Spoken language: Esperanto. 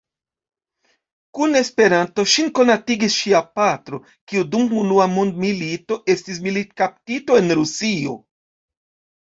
Kun Esperanto ŝin konatigis ŝia patro, kiu dum Unua mondmilito estis militkaptito en Rusio.